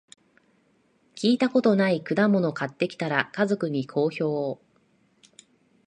聞いたことない果物買ってきたら、家族に好評